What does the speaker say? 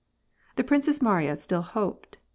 The Princess Mariya still hoped.